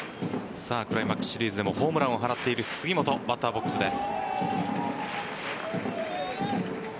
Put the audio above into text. クライマックスシリーズでもホームランを放っている杉本バッターボックスです。